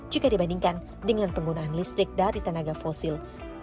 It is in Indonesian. jika dibandingkan dengan penggunaan listrik dari tenaga fosil